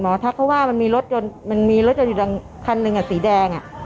ทักเขาว่ามันมีรถยนต์มันมีรถยนต์อยู่คันหนึ่งสีแดง